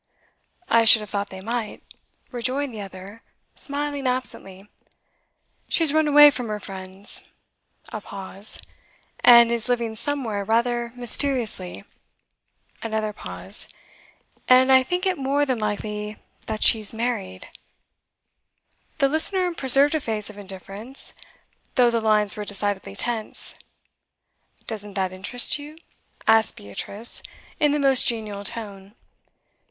'I should have thought they might,' rejoined the other, smiling absently. 'She has run away from her friends' a pause 'and is living somewhere rather mysteriously' another pause 'and I think it more than likely that she's married.' The listener preserved a face of indifference, though the lines were decidedly tense. 'Doesn't that interest you?' asked Beatrice, in the most genial tone.